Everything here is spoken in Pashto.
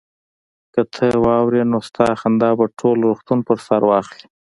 که ته واورې نو ستا خندا به ټول روغتون په سر واخلي